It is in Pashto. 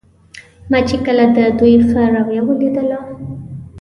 ما چې کله د دوی ښه رویه ولیدله.